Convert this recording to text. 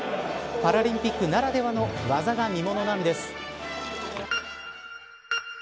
パラリンピックならではの技が見ものなんです。